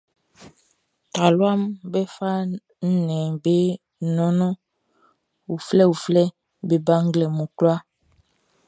Taluaʼm be fa nnɛnʼm be nɔnnɔn uflɛuflɛʼn be ba nglɛmun kwlaa.